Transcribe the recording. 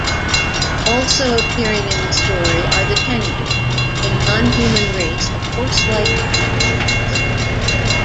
Also appearing in the story are the Tengu, a non-human race of horse-like bipeds.